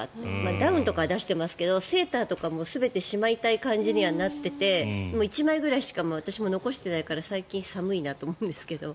ダウンとか出してますけどセーターとか全てしまいたい感じにはなってて１枚ぐらいしか私も残していないから最近寒いなと思うんですけど。